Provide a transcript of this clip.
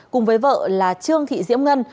cùng với vợ là trương thị diễm ngân